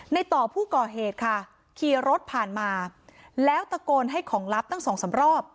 ในต่อผู้ก่อเหตุค่ะขี่รถผ่านมาแล้วตะโกนให้ของลับตั้งสองสามรอบ